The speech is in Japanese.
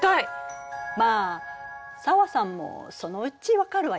まあ紗和さんもそのうち分かるわよ。